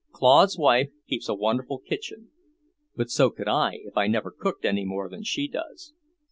"Claude's wife keeps a wonderful kitchen; but so could I, if I never cooked any more than she does."